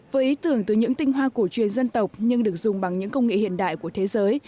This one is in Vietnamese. với ý tưởng từ những tinh hoa cổ truyền dân tộc nhưng được dùng bằng những công nghệ hiện đại của thế giới